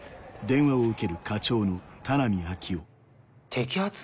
摘発？